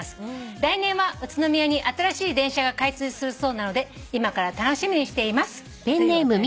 来年は宇都宮に新しい電車が開通するそうなので今から楽しみにしています」というお便り。